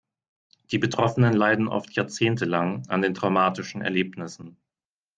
Die Betroffenen leiden oft jahrzehntelang an den traumatischen Erlebnissen.